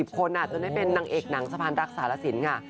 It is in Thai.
คนจนได้เป็นนางเอกหนังสะพานรักษาลสินค่ะ